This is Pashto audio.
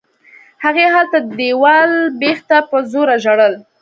هغې هلته د دېوال بېخ ته په زوره ژړل.